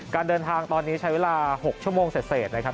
การเดินทางตอนนี้ใช้เวลา๖ชั่วโมงเสร็จนะครับ